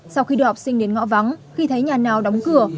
sau khi đưa học sinh đến ngõ vắng khi thấy nhà nào đóng cửa